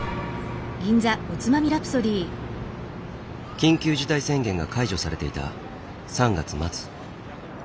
緊急事態宣言が解除されていた３月末。